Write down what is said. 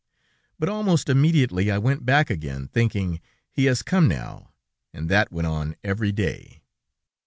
But almost immediately I went back again, thinking: 'He has come now!' and that went on every day.